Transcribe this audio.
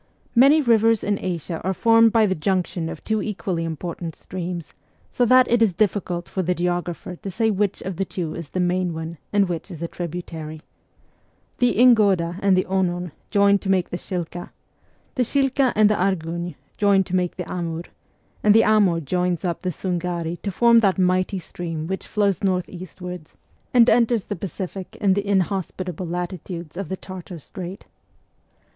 Many rivers in Asia are formed by the junction of two equally important streams, so that it is difficult for the geographer to say which of the two is the main one and which is a tributary. The Ingoda and the Onon join to make the Shilka ; the Shilka and the Argun join to make the Amur ; and the Amur joins the Sungarf to form that mighty stream which flows north eastwards VOL. I. E 242 MEMOIRS OF A REVOLUTIONIST and enters the Pacific in the inhospitable latitudes of the Tartar Strait.